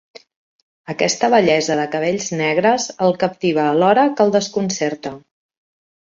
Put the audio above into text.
Aquesta bellesa de cabells negres el captiva alhora que el desconcerta.